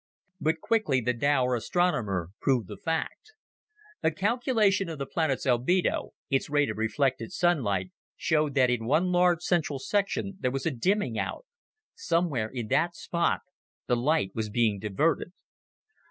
But quickly the dour astronomer proved the fact. A calculation of the planet's albedo its rate of reflected sunlight showed that in one large central section there was a dimming out. Somewhere in that spot, the light was being diverted.